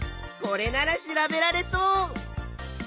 これなら調べられそう。